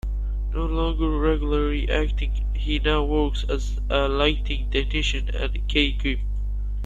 No longer regularly acting, he now works as a lighting technician and key grip.